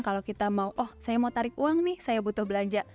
kalau kita mau oh saya mau tarik uang nih saya butuh belanja